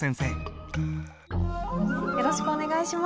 よろしくお願いします。